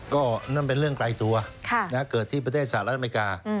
ก็นั่นเป็นเรื่องไกลตัวนะครับเกิดที่ประเทศศาสตร์และอเมริกา